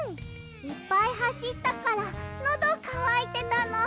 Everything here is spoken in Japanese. いっぱいはしったからのどかわいてたの。